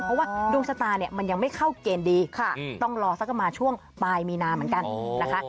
เพราะว่าดวงชะตาเนี่ยมันยังไม่เข้าเกณฑ์ดีค่ะต้องรอสักประมาณช่วงปลายมีนาเหมือนกันนะคะ